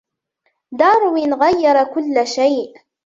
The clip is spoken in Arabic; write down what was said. داروين غيرَ كل شيء.